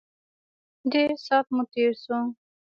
ډېر سات مو تېر شو.